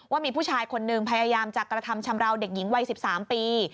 ว่ามีผู้ชายคนหนึ่งพยายามจะกระทำชำราวเด็กหญิงวัย๑๓ปี